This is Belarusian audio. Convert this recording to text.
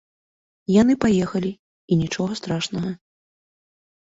Яны паехалі, і нічога страшнага.